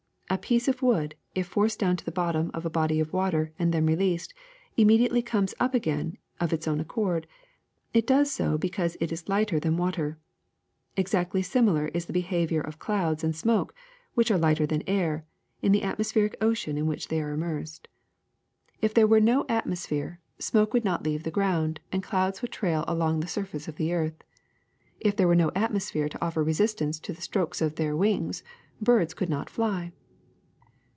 A piece of wood, if forced down to the bottom of a body of water and then released, immediately comes up again of its own accord; it does so because it is lighter than water. Exactly similar is the behavior of clouds and smoke, which are lighter than air, in the atmospheric ocean in which they are immersed. If there were no 32a THE SECRET OF EVERYDAY THINGS atmosphere, smoke would not leave the ground and clouds would trail along the surface of the earth. If there were no atmosphere to offer resistance to the strokes of their wings, birds could not fly.